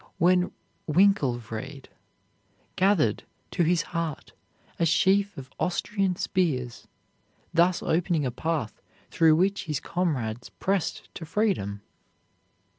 when Winkelried gathered to his heart a sheaf of Austrian spears, thus opening a path through which his comrades pressed to freedom?